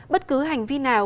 bất cứ hành vi nào